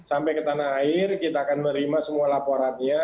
sampai ke tanah air kita akan menerima semua laporannya